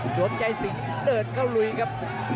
ใจสิงห์เดินเข้าลุยครับ